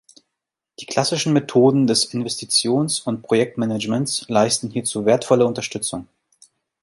Die klassischen Methoden des Investitions- und Projektmanagements leisten hierzu wertvolle Unterstützung.